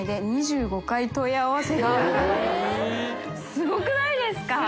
すごくないですか？